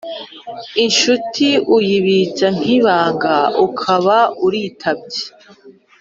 inshuti uyibitsa nk’ibanga ukaba uritabye